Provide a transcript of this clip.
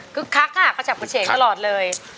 ซื้อค๊าเกาะจับกระเฉงตลอดเลย